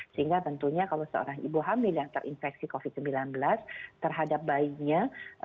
sehingga tentunya kalau seorang ibu hamil yang terinfeksi covid sembilan belas terhadap bayinya